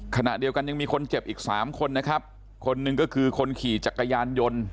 ขณะเดียวกันยังมีคนเจ็บอีกสามคนนะครับคนหนึ่งก็คือคนขี่จักรยานยนต์